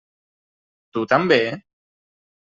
Tu també?